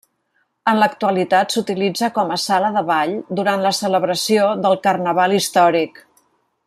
En l'actualitat s'utilitza com a sala de ball durant la celebració del carnaval històric.